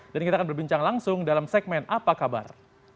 dan kita akan berbincang langsung dalam segmen apa kabar